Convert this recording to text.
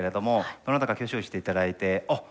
どなたか挙手をして頂いてあっ！